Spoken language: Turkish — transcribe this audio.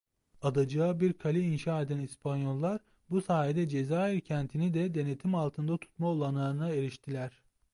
Adacığa bir kale inşa eden İspanyollar bu sayede Cezayir kentini de denetim altında tutma olanağına eriştiler.